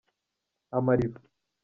amariba.